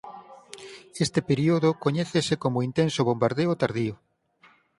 Este período coñécese como Intenso Bombardeo Tardío.